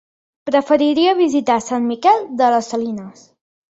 Preferiria visitar Sant Miquel de les Salines.